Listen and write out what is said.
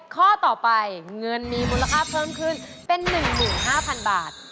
ข้อต่อไปเงินมีมูลค่าเพิ่มขึ้นเป็น๑๕๐๐๐บาท